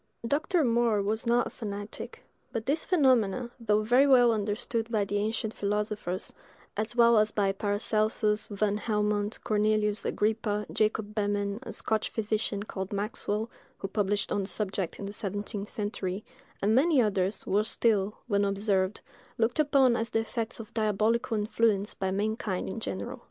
Dr. More was not a fanatic: but these phenomena, though very well understood by the ancient philosophers, as well as by Paracelsus, Van Helmont, Cornelius Agrippa, Jacob Behmen, a Scotch physician (called Maxwell) who published on the subject in the seventeenth century, and many others, were still, when observed, looked upon as the effects of diabolical influence by mankind in general.